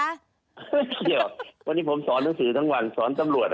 เกี่ยววันนี้ผมสอนหนังสือทั้งวันสอนตำรวจ